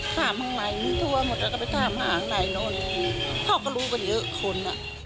พ่อก็รู้เป็นเยอะคน